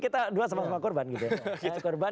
kita dua sama sama korban gitu ya korban